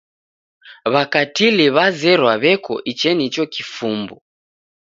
W'akatili w'azerwa w'eko ichenicho kifumbu.